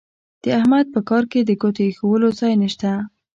د احمد په کار کې د ګوتې اېښولو ځای نه شته.